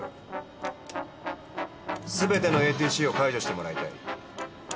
すべてのＡＴＣを解除してもらいたい。